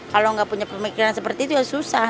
kalau nggak punya pemikiran seperti itu ya susah